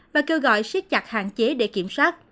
và kêu gọi siết chặt hạn chế để kiểm soát